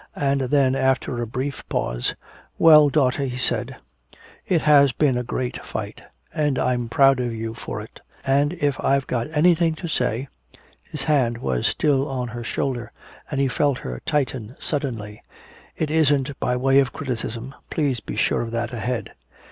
And then after a brief pause, "Well, daughter," he said, "it has been a great fight, and I'm proud of you for it. And if I've got anything to say " his hand was still on her shoulder, and he felt her tighten suddenly "it isn't by way of criticism please be sure of that ahead.